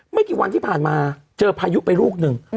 ไม่กี่วันที่ผ่านมาเจอพายุไปลูกหนึ่ง